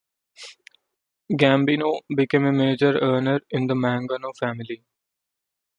Gambino became a major earner in the Mangano family.